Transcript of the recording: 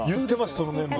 そのメンバー。